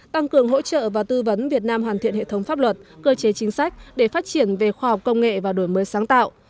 tăng cường hỗ trợ và tư vấn việt nam hoàn thiện hệ thống pháp luật cơ chế chính sách để phát triển về khoa học công nghệ và đổi mới sáng tạo